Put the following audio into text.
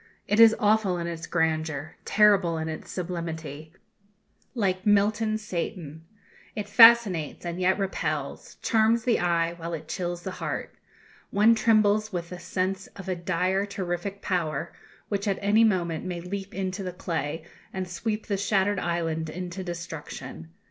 It is awful in its grandeur, terrible in its sublimity, like Milton's Satan. It fascinates, and yet repels; charms the eye, while it chills the heart. One trembles with the sense of a dire terrific power, which at any moment may leap into the clay, and sweep the shattered island into destruction.